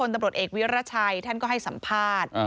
ตำรวจเอกวิรัชัยท่านก็ให้สัมภาษณ์